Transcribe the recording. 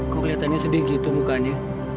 kok keliatannya sedih gitu mukanya